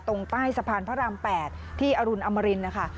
ตรงใต้สะพานพระราม๘ที่อรุณอมรินนะคะ